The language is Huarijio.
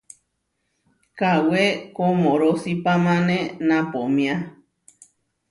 Kawé koʼmorosípamane naʼpomiá.